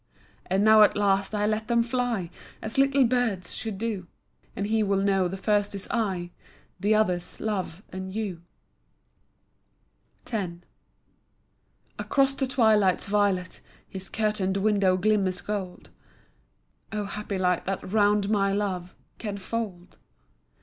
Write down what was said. And now at last I let them fly, As little birds should do, And he will know the first is "I", The others "Love" and "You". X Across the twilight's violet His curtained window glimmers gold; Oh happy light that round my love Can fold.